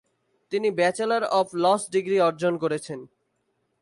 তিনি bachelor of laws degree অর্জন করেছেন।